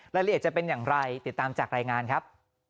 รายละเอียดจะเป็นอย่างไรติดตามจากรายงานครับ